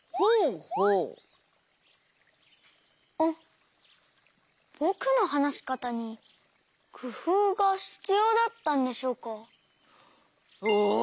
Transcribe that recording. あっぼくのはなしかたにくふうがひつようだったんでしょうか？